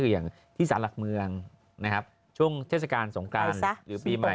อย่างที่สารหลักเมืองนะครับช่วงเทศกาลสงการหรือปีใหม่